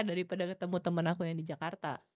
daripada ketemu temen aku yang di jakarta